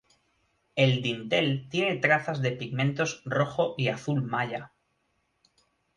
El dintel tiene trazas de pigmentos rojo y azul maya.